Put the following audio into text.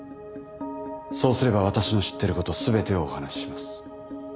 そうすれば私の知ってること全てお話しします。